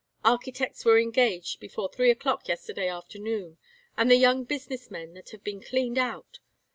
Architects were engaged before three o'clock yesterday afternoon. And the young business men that have been cleaned out!